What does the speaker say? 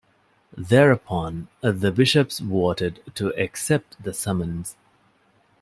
Thereupon, the Bishops voted to accept the summons.